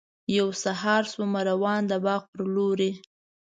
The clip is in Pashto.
یو سهار شومه روان د باغ پر لوري.